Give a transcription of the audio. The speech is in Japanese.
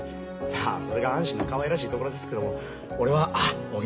まあそれが阪神のかわいらしいところですけども俺はおおきにすんません。